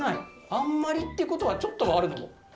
あんまりってことはちょっとはあるの？